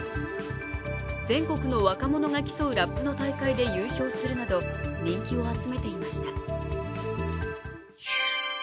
全国の若者が競うラップの大会で優勝するなど人気を集めていました。